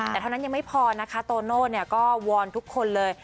แต่เท่านั้นยังไม่พอนะคะโตโน่ก็วอนทุกคนเลย